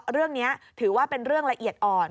เรื่องนี้ถือว่าเป็นเรื่องละเอียดอ่อน